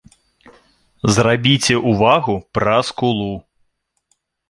Зрабіце ўвагу пра скулу.